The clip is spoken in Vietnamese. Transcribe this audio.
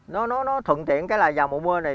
nó nó thuận tiện cái là vào mùa mưa này